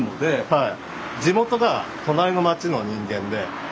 はい。